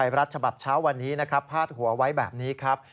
รัฐฉบับเช้าวันนี้นะครับพาดหัวไว้แบบนี้ครับ